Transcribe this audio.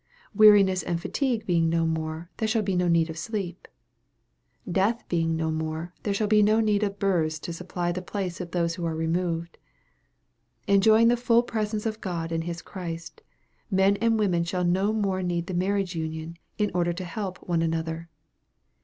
Weariness and fatigue being no more there shall be no need of sleep. Death being no more there shall be no need of births to supply the place of those who are removed. Enjoying the full presence of God and His Christ men and women shall no more need the marriage union, in order to help one another.